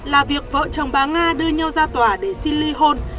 là việc vợ chồng bà nga đưa nhau ra tòa để xin ly hôn